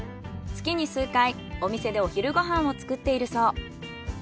月に数回お店でお昼ご飯を作っているそう。